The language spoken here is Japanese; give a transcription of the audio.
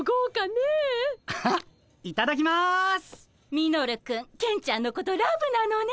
ミノルくんケンちゃんのことラブなのね。